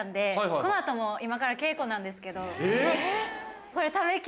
この後も今から稽古なんですけど。